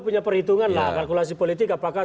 punya perhitungan lah kalkulasi politik apakah